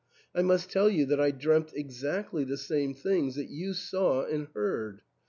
I must tell you that I dreamt exactly the same things that you saw and heard.